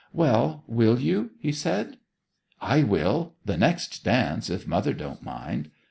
'Well will you?' he said. 'I will the next dance, if mother don't mind.'